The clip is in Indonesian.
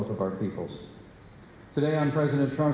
hari ini di nama presiden trump